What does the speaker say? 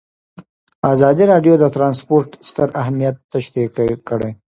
ازادي راډیو د ترانسپورټ ستر اهميت تشریح کړی.